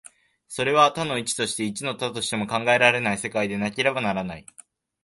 それは多の一としても、一の多としても考えられない世界でなければならない。